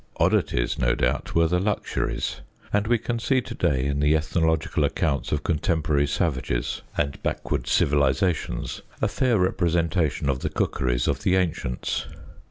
Oddities, no doubt, were the luxuries; and we can see to day in the ethnological accounts of contemporary savages and backward civilizations, a fair representation of the cookeries of the ancients.